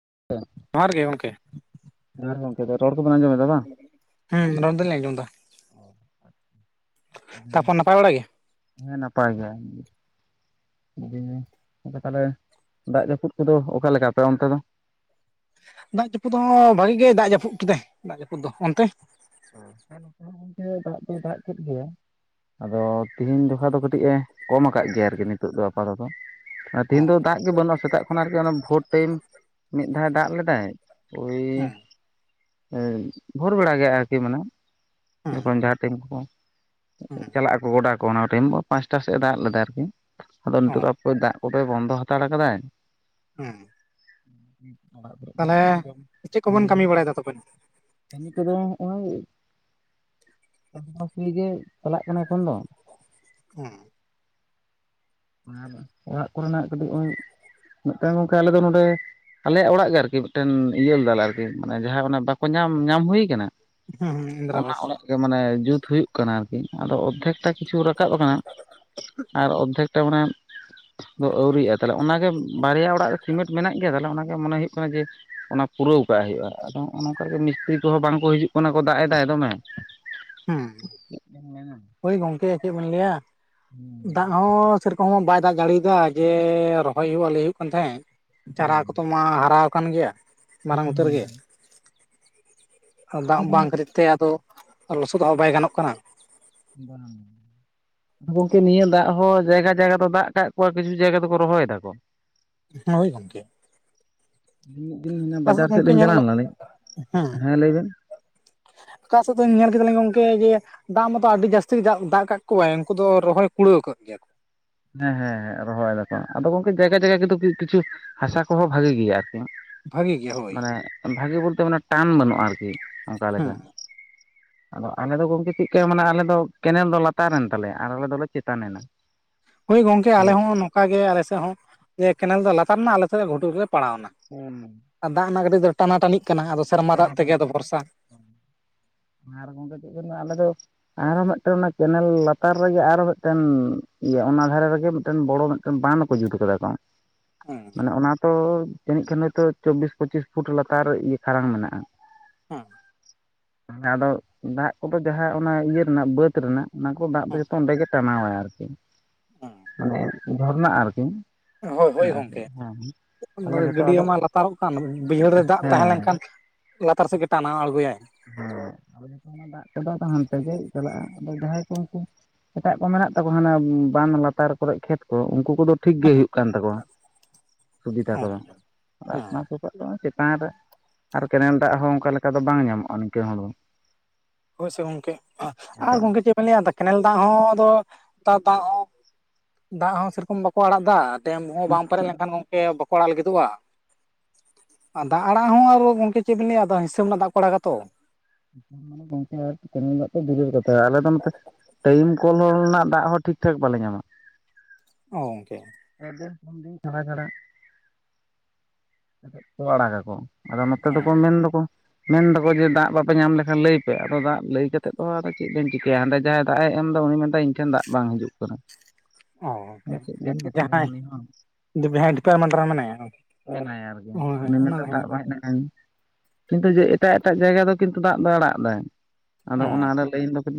[unintelligible] ᱡᱚᱦᱟᱨ ᱜᱮ ᱜᱚᱢᱠᱮ ᱾ ᱦᱮᱸ ᱜᱚᱢᱠᱮ ᱨᱚᱲ ᱛᱚ ᱵᱤᱱ ᱟᱸᱡᱚᱢᱮᱫᱟ ᱵᱟᱝ᱾ ᱦᱩᱸ ᱨᱚᱲ ᱫᱚ ᱞᱤᱧ ᱚᱡᱚᱢ ᱫᱟ ᱾ ᱛᱟᱯᱚᱨ ᱱᱟᱯᱟᱭ ᱵᱟᱲᱟᱜ ᱜᱮ? ᱦᱮᱸ ᱱᱟᱯᱟᱭ ᱜᱮ ᱾ ᱟᱫᱚ ᱛᱟᱦᱚᱞᱮ ᱫᱟᱜ ᱡᱟᱹᱯᱩᱫ ᱠᱚᱫᱚ ᱚᱠᱟ ᱞᱮᱠᱟ ᱟᱯᱮ ᱚᱱᱛᱮ ᱫᱚ? ᱫᱟᱜ ᱡᱟᱹᱯᱩᱫ ᱦᱚᱸ ᱵᱷᱟᱜᱤ ᱜᱮ ᱫᱟᱜ ᱡᱟᱹᱯᱩᱫ ᱠᱮᱫᱟᱭ ᱫᱟᱜ ᱡᱟᱹᱯᱩᱫ ᱫᱚ ᱚᱱᱛᱮ᱾ ᱦᱮᱸ ᱱᱚᱛᱮ ᱦᱚᱸ ᱜᱚᱝᱠᱮ ᱫᱟᱜ ᱫᱚᱭ ᱫᱟᱜ ᱠᱮᱫ ᱜᱮᱭᱟ ᱾ ᱟᱫᱚ ᱛᱮᱦᱤᱧ ᱜᱟᱯᱟ ᱫᱚ ᱠᱟᱹᱴᱤᱡ ᱮ ᱠᱚᱢ ᱟᱠᱟᱫ ᱜᱮᱭᱟ ᱟᱨᱠᱤ ᱱᱤᱛᱚᱜ ᱫᱚ ᱟᱯᱟᱛᱚᱛᱚ ᱾ ᱛᱤᱦᱤᱱ ᱫᱚ ᱦᱚᱸ ᱫᱟᱜ ᱜᱮ ᱵᱟᱹᱱᱩᱜᱼᱟ ᱥᱮᱛᱟᱜ ᱠᱷᱚᱱᱟ ᱟᱨᱠᱤ ᱵᱷᱳᱨ ᱴᱟᱭᱤᱢ ᱾ ᱢᱤᱫ ᱫᱷᱟᱣ ᱫᱟᱜ ᱞᱮᱫᱟᱭ ᱳᱭ ᱦᱮᱸ ᱮᱫ ᱵᱷᱳᱨ ᱵᱟᱲᱮ ᱜᱮ ᱟᱨᱠᱤ ᱢᱟᱱᱮ ᱡᱚᱠᱷᱚᱱ ᱡᱟᱦᱟᱸ ᱴᱤᱢ ᱠᱚ ᱦᱩᱸ ᱪᱟᱞᱟᱜ ᱟᱠᱚ ᱜᱚᱰᱟ ᱠᱚ ᱚᱱᱟ ᱴᱟᱭᱤᱢ ᱫᱚ ᱯᱟᱸᱪᱴᱟ ᱥᱮᱫ ᱮ ᱫᱟᱜ ᱞᱮᱫᱟ ᱟᱨᱠᱤ ᱟᱫᱚ ᱱᱤᱛᱚᱜ ᱦᱮᱸ ᱫᱚ ᱦᱟᱯᱳᱭ ᱫᱟᱜ ᱠᱚᱯᱮ ᱵᱚᱱᱫᱚ ᱦᱟᱛᱟᱲ ᱟᱠᱟᱫᱟᱭ ᱾ ᱦᱮᱸ [inaudible] ᱛᱟᱦᱚᱞᱮ ᱜᱮ ᱪᱮᱫ ᱠᱚᱵᱮᱱ ᱠᱟᱹᱢᱤ ᱵᱟᱲᱟᱭᱮᱫᱟ ᱛᱚᱵᱮ? ᱠᱟ. ᱢᱤ ᱠᱚᱫᱚ ᱦᱚᱼᱭ ᱟᱥᱱᱟᱥᱩᱞᱤ ᱜᱮ ᱪᱟᱞᱟᱜ ᱠᱟᱱᱟ ᱮᱠᱷᱚᱱ ᱫᱚ ᱦᱮᱸ ᱵᱟᱝ ᱵᱟ ᱚᱲᱟᱜ ᱠᱚᱨᱮᱱᱟᱜ ᱠᱟᱹᱴᱤᱡ ᱦᱚᱜ ᱚᱭ ᱢᱤᱫᱴᱟᱝ ᱜᱚᱝᱠᱮ ᱟᱞᱮ ᱫᱚ ᱱᱚᱰᱮ ᱟᱞᱮᱭᱟᱜ ᱚᱲᱟᱜ ᱜᱮ ᱟᱨᱠᱤ ᱢᱤᱫᱴᱮᱱ ᱤᱭᱟᱹᱞᱮᱫᱟ ᱞᱮ ᱟᱨᱠᱤ ᱢᱟᱱᱮ ᱡᱟᱦᱟᱸ ᱵᱟᱠᱚ ᱧᱟᱢ ᱧᱟᱢ ᱦᱩᱭ ᱠᱟᱱᱟ ᱾ ᱦᱩᱸ ᱦᱩᱸ ᱤᱱᱫᱨᱟ ᱟᱵᱟᱥ ᱠᱮ ᱢᱟᱱᱮ ᱡᱩᱛ ᱦᱩᱭᱩᱜ ᱠᱟᱱᱟ ᱟᱨᱠᱤ ᱟᱫᱚ ᱚᱫᱷᱮᱠ ᱴᱟ ᱠᱤᱪᱷᱩ ᱨᱟᱠᱟᱵ ᱟᱠᱟᱱᱟ ᱟᱨ ᱚᱨ ᱫᱷᱮᱠ ᱴᱟ ᱚᱱᱟ ᱫᱚ ᱟᱹᱣᱨᱤᱭᱟᱜᱼᱟ ᱛᱟᱦᱞᱮ ᱚᱱᱟᱜᱮ ᱵᱟᱨᱭᱟ ᱚᱲᱟᱜ ᱨᱮ ᱥᱤᱢᱮᱱᱴ ᱢᱮᱱᱟᱜ ᱜᱮᱭᱟ ᱛᱟᱦᱞᱮ ᱚᱱᱟᱜᱮ ᱢᱚᱱᱮ ᱦᱩᱭᱩᱜ ᱠᱟᱱᱟ ᱡᱮ ᱾ ᱚᱱᱟ ᱯᱩᱨᱟᱹᱣ ᱠᱟᱜ ᱦᱩᱭᱩᱜᱼᱟ ᱟᱫᱚ ᱦᱚᱜ ᱱᱚᱝᱠᱟ ᱜᱮ ᱢᱤᱥᱛᱨᱤ ᱠᱚᱦᱚᱸ ᱵᱟᱝᱠᱚ ᱦᱤᱡᱩᱜ ᱠᱟᱱᱟ ᱠᱚ ᱫᱟᱜ ᱮᱫᱟ ᱫᱚᱢᱮ ᱾ ᱦᱮᱸ ᱪᱮᱫ ᱡᱮᱢ ᱢᱮᱱᱟ ᱦᱳᱭ ᱜᱚᱝᱠᱮ ᱪᱮᱫ ᱵᱮᱱ ᱞᱟᱹᱭᱟ ᱦᱩᱸ ᱫᱟᱜ ᱦᱚᱸ ᱥᱮᱨᱚᱠᱚᱢ ᱵᱟᱭ ᱫᱟᱜ ᱡᱟᱲᱤᱭᱟᱫᱟ ᱡᱮ ᱨᱚᱦᱚᱭ ᱦᱩᱭᱩᱜᱼᱟ ᱞᱮ ᱦᱩᱭᱩᱜ ᱠᱟᱱ ᱛᱟᱦᱮᱸ ᱾ ᱪᱟᱨᱟ ᱦᱩᱸ ᱠᱚᱛᱚ ᱢᱟ ᱦᱟᱨᱟ ᱟᱠᱟᱱ ᱜᱮᱭᱟ ᱢᱟᱨᱟᱝ ᱩᱛᱟᱹᱨ ᱦᱩᱸ ᱜᱮ ᱫᱟᱜ ᱵᱟᱝ ᱠᱷᱟᱱ. ᱛᱤᱨ ᱛᱮ ᱟᱫᱚ ᱞᱚᱥᱚᱫ ᱦᱚᱸ ᱵᱟᱭ ᱜᱟᱱᱚᱜ ᱠᱟᱱᱟ ᱾ ᱵᱟᱝ ᱜᱚᱝᱠᱮ ᱱᱤᱭᱟᱹ ᱫᱟᱜ ᱦᱚᱸ ᱡᱟᱭᱜᱟ ᱡᱟᱭᱜᱟ ᱫᱚ ᱫᱟᱜ ᱠᱟᱜ ᱠᱚᱣᱟ ᱠᱤᱪᱷᱩ ᱡᱟᱭᱜᱟ ᱫᱚᱠᱚ ᱨᱚᱦᱚᱭ ᱫᱟᱠᱚ ᱦᱮ ᱦᱳᱭ ᱜᱚᱝᱠᱮ ᱤᱧ ᱢᱤᱫ ᱫᱤᱱ ᱪᱟᱥ ᱵᱟᱡᱟᱨ ᱥᱮᱫ ᱜᱚᱝᱠᱮ ᱞᱤᱧ ᱪᱟᱞᱟᱣ ᱧᱮᱞᱚᱜ ᱞᱮᱱᱟ ᱞᱤᱧ ᱦᱮᱸ ᱞᱟᱹᱭᱵᱮᱱ ᱚᱠᱟ ᱥᱮᱫ ᱫᱚ ᱧᱮᱞ ᱠᱮᱫᱟᱞᱤᱧ ᱜᱚᱝᱠᱮ ᱡᱮ ᱫᱟᱜ ᱢᱟᱛᱚ ᱟᱹᱰᱤ ᱡᱟᱹᱥᱛᱤ ᱫᱟᱜ ᱠᱟᱜ ᱠᱚᱣᱟᱭ ᱩᱱᱠᱩ ᱫᱚ ᱨᱚᱦᱚᱭ ᱠᱩᱲᱟᱹᱣ ᱠᱮᱫ ᱜᱮᱭᱟ ᱠᱚ ᱦᱮᱸ ᱦᱮᱸ ᱦᱮᱸ ᱨᱚᱦᱚᱭ ᱫᱟᱠᱚ ᱟᱫᱚ ᱜᱚᱝᱠᱮ ᱡᱟᱭᱜᱟ ᱡᱟᱭᱜᱟ ᱠᱚᱫᱚ ᱠᱤᱪᱷᱩ ᱦᱟᱥᱟ ᱠᱚᱦᱚᱸ ᱵᱷᱟᱜᱤ ᱜᱮᱭᱟ ᱟᱨᱠᱤ ᱵᱷᱟᱜᱤ ᱜᱮ ᱦᱳᱭ ᱢᱟᱱᱮ ᱵᱷᱟᱜᱮ ᱵᱚᱞᱛᱮ ᱢᱟᱱᱮ ᱴᱟᱱ ᱵᱟᱹᱱᱩᱜᱼᱟ ᱟᱨᱠᱤ ᱚᱱᱠᱟ ᱞᱮᱠᱟ [inaudible] ᱟᱫᱚ ᱟᱞᱮ ᱫᱚ ᱜᱚᱢᱠᱮ ᱪᱮᱫ ᱠᱟ ᱢᱟᱱᱮ ᱟᱞᱮ ᱫᱚ ᱠᱮᱱᱮᱞ ᱫᱚ ᱞᱟᱛᱟᱨᱮᱱ ᱛᱟᱞᱮᱭᱟ ᱟᱨ ᱟᱞᱮ ᱫᱚᱞᱮ ᱪᱮᱛᱟᱱ ᱮᱱᱟ ᱦᱳᱭ ᱜᱚᱝᱠᱮ ᱟᱞᱮ ᱦᱚᱸ ᱱᱚᱝᱠᱟ ᱜᱮ ᱟᱞᱮ ᱥᱮᱫ ᱦᱚᱸ ᱡᱮ ᱠᱮᱱᱮᱞ ᱫᱚ ᱞᱟᱛᱟᱨ ᱱᱟ ᱟᱞᱮ ᱥᱮᱫ ᱜᱷᱩᱴᱩ ᱨᱮᱞᱮ ᱯᱟᱲᱟᱣ ᱱᱟ [inaudible] ᱟᱨ ᱫᱟᱜ ᱚᱱᱟ ᱠᱟ. ᱴᱤᱡ ᱫᱚ ᱴᱟᱱᱟ ᱴᱟᱹᱱᱤᱜ ᱠᱟᱱᱟ ᱟᱫᱚ ᱥᱮᱨᱢᱟ ᱫᱟᱜ ᱛᱮᱜᱮ ᱟᱫᱚ ᱵᱷᱚᱨᱥᱟ ᱟᱨ ᱜᱚᱝᱠᱮ ᱪᱮᱫ ᱠᱚ ᱞᱟ. ᱭᱟ ᱟᱞᱮ ᱫᱚ ᱟᱨᱚ ᱢᱮᱫᱴᱮᱱ ᱚᱱᱟ ᱠᱮᱱᱮᱞ ᱞᱟᱛᱟᱨ ᱨᱮᱜᱮ ᱟᱨᱚ ᱢᱮᱫᱴᱮᱱ ᱤᱭᱟᱹ ᱚᱱᱟ ᱫᱷᱟᱨᱮ ᱨᱮᱜᱮ ᱢᱤᱫᱴᱮᱱ ᱵᱚᱲᱚ ᱢᱤᱫ ᱴᱮᱱ ᱵᱟᱱ ᱦᱚᱸᱠᱚ ᱡᱩᱛ ᱠᱟᱫᱟ ᱠᱚ ᱦᱮᱸ ᱢᱟᱱᱮ ᱚᱱᱟ ᱛᱚ ᱡᱟᱹᱱᱤᱡ ᱠᱷᱟᱱ ᱦᱳᱭᱛᱳ ᱪᱚᱵᱵᱤᱥ ᱯᱚᱸᱪᱤᱥ ᱯᱷᱩᱴ ᱞᱟᱛᱟᱨ ᱨᱮ ᱤᱭᱟᱹ ᱠᱷᱟᱨᱟᱝ ᱢᱮᱱᱟᱜ-ᱟ ᱦᱩ ᱦᱮ ᱟᱫᱚ ᱫᱟᱜ ᱠᱚᱫᱚ ᱡᱟᱦᱟᱸ ᱚᱱᱟ ᱤᱭᱟᱹ ᱨᱮᱱᱟᱜ ᱵᱟᱹᱫ ᱨᱮᱱᱟᱜ ᱚᱱᱟ ᱠᱚ ᱫᱟᱜ ᱫᱚ ᱦᱮᱸ ᱡᱚᱛᱚ ᱚᱸᱰᱮ ᱜᱮ ᱴᱟᱱᱟᱣ ᱟᱭ ᱟᱨᱠᱤ ᱢᱟᱱᱮ ᱡᱷᱚᱨᱱᱟᱜ-ᱟ ᱟᱨᱠᱤ ᱦᱳᱭ ᱦᱳᱭ ᱟᱨᱠᱤ ᱜᱚᱝᱠᱮ ᱦᱮᱸ ᱛᱟᱦᱚᱞᱮ ᱦᱳᱭ ᱡᱚᱛᱚ ᱜᱟᱹᱰᱭᱟᱹ ᱟᱫᱚ ᱢᱟ ᱞᱟᱛᱟᱨᱚᱜ ᱠᱟᱱ ᱵᱟᱹᱭᱦᱟᱹᱲ ᱨᱮ ᱫᱟᱜ ᱛᱟᱦᱮᱸ ᱦᱮᱸ ᱞᱮᱱᱠᱷᱟᱱ, ᱞᱟᱛᱟᱨ ᱥᱮᱜ ᱜᱮ ᱴᱟᱱᱟᱣ ᱟᱬᱜᱳᱭᱟᱭ᱾ ᱦᱮᱸ ᱚᱱᱟ ᱫᱟᱜ ᱛᱮᱫᱚ ᱛᱚ ᱦᱟᱱᱛᱮ ᱜᱮᱭ ᱪᱟᱞᱟᱜ-ᱟ ᱟᱫᱚ ᱡᱟᱦᱟᱸᱭ ᱠᱚ ᱩᱱᱠᱩ, ᱮᱴᱟᱜ ᱠᱚ ᱢᱮᱱᱟᱜ ᱛᱟᱠᱚ ᱦᱟᱱᱮ ᱵᱟᱱᱫ ᱞᱟᱛᱟᱨ ᱠᱚᱨᱮᱜ ᱠᱷᱮᱛ ᱠᱚ ᱩᱱᱠᱩ ᱠᱚᱫᱚ, ᱴᱷᱤᱠ ᱜᱮ ᱦᱩᱭᱩᱜ ᱠᱟᱱ ᱛᱟᱠᱚᱣᱟ ᱥᱩᱵᱤᱫᱟ ᱠᱚᱫᱚ, ᱟᱨ ᱚᱱᱟᱫᱚ ᱱᱤᱛᱚᱜ ᱫᱚ ᱪᱮᱛᱟᱱ ᱨᱮ ᱟᱨ ᱠᱮᱱᱮᱞ ᱫᱟᱜ ᱦᱚᱸ ᱚᱝᱠᱟ ᱞᱮᱠᱟ ᱫᱚ ᱵᱟᱝ ᱧᱟᱢᱚᱜ-ᱟ ᱱᱤᱝᱠᱟᱹᱱ ᱦᱚᱲ ᱫᱚ᱾ ᱦᱳᱭᱥᱮ ᱜᱚᱝᱠᱮ ᱟᱨ ᱜᱚᱝᱠᱮ ᱪᱮ ᱪᱮᱫᱽ ᱵᱮᱱ ᱞᱟᱹᱭᱟ ᱟᱫᱚ ᱠᱮᱱᱮᱞ ᱫᱟᱜ ᱦᱚᱸ ᱟᱫᱚ ᱛᱟᱣ ᱫᱟᱜ ᱦᱚᱸ, ᱫᱟᱜ ᱦᱚᱸ ᱥᱮᱨᱚᱠᱚᱢ ᱵᱟᱠᱚ ᱟᱲᱟᱜ ᱫᱟ᱾ ᱰᱮᱢ ᱦᱚᱸ ᱵᱟᱢ ᱯᱮᱨᱮᱡᱽ ᱞᱮᱱᱠᱷᱟᱱ ᱜᱚᱢᱠᱮ ᱵᱟᱠᱚ ᱟᱲᱟᱜ ᱞᱟᱹᱜᱤᱫᱚᱜ-ᱟ᱾ ᱟᱨ ᱫᱟᱜ ᱟᱲᱟᱜ ᱦᱚᱸ ᱟᱨᱚ ᱜᱚᱝᱠᱮ ᱪᱮᱜᱵᱤᱱ ᱞᱟᱹᱭᱟ ᱟᱫᱚ ᱦᱤᱥᱟᱹᱵ ᱨᱮᱱᱟᱜ ᱫᱟᱜ ᱠᱚ ᱟᱲᱟᱜᱟ ᱛᱚ᱾ ᱪᱮᱫᱽ ᱢᱮᱱᱟ ᱜᱚᱝᱠᱮ ᱟᱨ ᱠᱮᱱᱮᱞ ᱫᱟᱜ ᱛᱚ ᱫᱦᱩᱨ ᱠᱟᱛᱦᱟ ᱟᱞᱮ ᱫᱚ ᱱᱚᱛᱮ ᱴᱟᱭᱤᱢ ᱠᱚᱞ ᱨᱮᱱᱟᱜ ᱫᱟᱜ ᱦᱚᱸ ᱴᱷᱤᱠ ᱴᱷᱟᱠ ᱵᱟᱞᱮ ᱧᱟᱢᱟ᱾ ᱚ ᱜᱚᱝᱠᱮ᱾ ᱯᱮ ᱫᱤᱱ ᱯᱩᱱ ᱫᱤᱱ ᱪᱷᱟᱲᱟ-ᱪᱷᱟᱲᱟ᱾ [inaudible] [inaudible] ᱮᱫ ᱠᱚ ᱟᱲᱟᱜ ᱜᱟᱠᱚ ᱟᱫᱚ ᱱᱚᱛᱮ ᱚ ᱫᱚᱠᱚ ᱢᱮᱱ ᱫᱚᱠᱚ ᱢᱮᱱ ᱫᱟᱠᱚ ᱡᱮ ᱫᱟᱜ ᱵᱟᱯᱮ ᱧᱟᱢ ᱞᱮᱠᱷᱟᱱ ᱞᱟᱹᱭ ᱯᱮ ᱟᱫᱚ ᱫᱟᱜ ᱞᱟᱹᱭ ᱠᱟᱛᱮᱫ ᱫᱚ ᱟᱫᱚ ᱪᱮᱜ ᱵᱮᱱ ᱪᱤᱠᱟᱹᱭᱟ, ᱦᱟᱸᱰᱮ ᱡᱟᱦᱟᱭ ᱫᱟᱜ ᱮ ᱮᱢ ᱫᱟ ᱩᱱᱤ ᱢᱮᱱ ᱫᱟᱭ ᱤᱧ ᱴᱷᱮᱱ ᱫᱟᱜ ᱵᱟᱝ ᱦᱤᱡᱩᱜ ᱠᱟᱱᱟ᱾ ᱚ ᱟᱫᱚ ᱜᱚᱢᱠᱮ ᱪᱮᱫ ᱵᱮᱱ ᱡᱟᱸ ᱢᱮᱛᱟᱭᱟ ᱦᱟᱸᱭ ᱩᱱᱤ ᱦᱚᱸ ᱡᱩᱫᱤ ᱵᱦᱮᱴ ᱯᱮ ᱢᱟᱰᱨᱟ ᱢᱮᱱᱟᱭᱟ ᱦᱚᱸᱭ ᱚᱱᱟ ᱛᱟᱦᱮᱱᱟ᱾ ᱠᱦᱟᱡᱽ ᱱᱟ ᱮᱸ ᱠᱤᱱᱛᱩ ᱡᱮ ᱮᱴᱟᱜ-ᱮᱴᱟᱜ ᱡᱟᱭᱜᱟ ᱫᱚ ᱠᱤᱱᱛᱩ ᱫᱟᱜ ᱫᱚᱭ ᱟᱲᱟᱜ ᱫᱟᱭ᱾ ᱟᱫᱚ ᱚᱱᱟ ᱦᱮᱸ ᱟᱸᱰᱮ ᱞᱟᱹᱭᱤᱱ ᱫᱚᱵᱤᱱ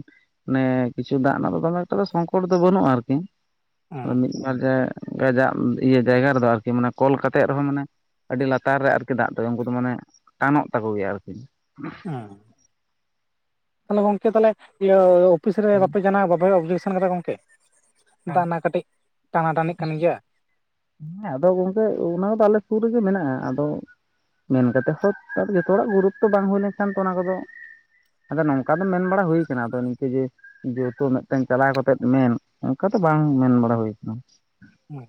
ᱚᱱᱮ ᱠᱤᱪᱷᱩ ᱫᱟᱜ ᱨᱮᱱᱟᱜ ᱫᱚ ᱫᱚᱢᱮ ᱮᱠᱴᱟ ᱫᱚ ᱥᱚᱝᱠᱚᱴ ᱫᱚ ᱵᱟᱹᱱᱩᱜ-ᱟ ᱟᱨᱠᱤ, ᱦᱮᱸ ᱟᱫᱚ ᱢᱤᱫᱵᱟᱨ ᱡᱮ ᱠᱟᱡᱟᱜ ᱤᱭᱟᱹ ᱡᱟᱭᱜᱟ ᱨᱮᱫᱚ ᱟᱨᱠᱤ ᱢᱟᱱᱮ ᱠᱚᱞ ᱠᱟᱛᱮᱜ ᱨᱮᱦᱚᱸ ᱢᱟᱱᱮ, ᱟᱹᱰᱤ ᱞᱟᱛᱟᱨ ᱨᱮ ᱟᱨᱠᱤ ᱫᱟᱜ ᱫᱚ ᱩᱱᱠᱩ ᱫᱚ ᱢᱟᱱᱮ ᱴᱟᱱᱚᱜ ᱛᱟᱠᱚ ᱜᱮᱭᱟ ᱟᱨᱠᱤ᱾ ᱦᱮᱸ᱾ ᱛᱟᱞᱦᱮ ᱜᱚᱢᱠᱮ ᱛᱟᱦᱞᱮ ᱤᱭᱟᱹ ᱚᱯᱷᱤᱥ ᱨᱮ ᱵᱟᱯᱮ ᱡᱟᱱᱟᱣ ᱵᱟᱯᱮ ᱚᱵᱡᱮᱠᱥᱮᱱ ᱠᱟᱫᱟ ᱜᱚᱝᱠᱮ᱾ ᱫᱟᱜ ᱨᱮᱱᱟᱜ ᱠᱟᱹᱴᱤᱡᱽ ᱴᱟᱱᱟ ᱴᱟᱹᱱᱤᱜ ᱠᱟᱱ ᱜᱮᱭᱟ᱾ ᱦᱮᱸ ᱟᱫᱚ ᱜᱚᱝᱠᱮ ᱚᱱᱟ ᱫᱚ ᱟᱞᱮ ᱥᱩᱨ ᱨᱮᱜᱮ ᱢᱮᱱᱟᱜ-ᱟ ᱟᱫᱚ ᱢᱮᱱ ᱠᱟᱛᱮᱫ ᱦᱚ ᱛᱚ ᱡᱚᱛᱚ ᱦᱚᱲᱟᱜ ᱜᱩᱨᱩᱛᱚ ᱵᱟᱝ ᱦᱩᱭ ᱞᱮᱱᱠᱷᱟᱱ ᱛᱚ ᱚᱱᱟ ᱠᱚᱫᱚ ᱟᱫᱚ ᱱᱚᱝᱠᱟ ᱫᱚ ᱢᱮᱱ ᱵᱟᱲᱟ ᱦᱳᱭ ᱠᱟᱱᱟ ᱟᱫᱚ ᱱᱤᱝᱠᱟᱹ ᱡᱮ ᱡᱚᱛᱚ ᱢᱤᱫᱴᱮᱱ ᱪᱟᱞᱟᱣ ᱠᱟᱛᱮᱜ ᱢᱮᱱ ᱚᱱᱠᱟ ᱫᱚ ᱵᱟᱝ ᱢᱮᱱ ᱵᱟᱲᱟ ᱦᱳᱭ ᱠᱟᱱᱟ᱾ ᱦᱮᱸ᱾